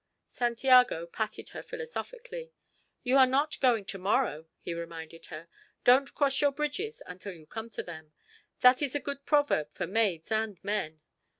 Santiago patted her philosophically. "You are not going to morrow," he reminded her. "Don't cross your bridges until you come to them. That is a good proverb for maids and men.